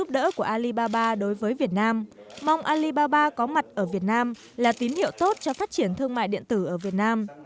đối với việt nam mong alibaba có mặt ở việt nam là tín hiệu tốt cho phát triển thương mại điện tử ở việt nam